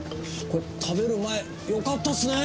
食べる前よかったっすねぇ！